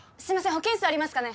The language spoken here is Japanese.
保健室ありますかね？